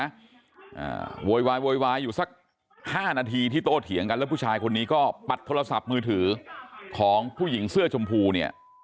อ่าโวยวายโวยวายอยู่สักห้านาทีที่โตเถียงกันแล้วผู้ชายคนนี้ก็ปัดโทรศัพท์มือถือของผู้หญิงเสื้อชมพูเนี่ย